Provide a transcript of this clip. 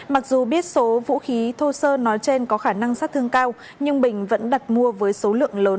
mặc dù biết số vũ khí thô sơ nói trên có khả năng sát thương cao nhưng bình vẫn đặt mua với số lượng lớn